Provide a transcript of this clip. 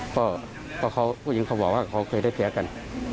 เพราะผู้หญิงเขาบอกว่าเขาเคยได้แพ้กัน